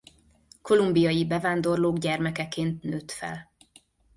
Kolumbiai bevándorlók gyermekeként nőtt fel.